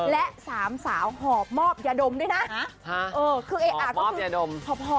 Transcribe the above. และสามสาวเหาะมอบยาดมด้วยนะ